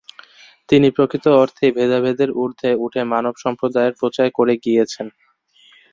তিনি প্রকৃত অর্থেই ভেদাভেদের ঊর্ধ্বে উঠে মানব সম্প্রদায়ের প্রচার করে গিয়েছেন।